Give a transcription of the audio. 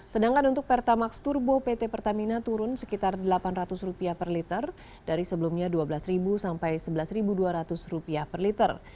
sedangkan untuk pertamax turbo pt pertamina turun sekitar rp delapan ratus per liter dari sebelumnya rp dua belas sampai rp sebelas dua ratus per liter